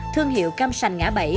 thương hiệu cam sành ngã bẫy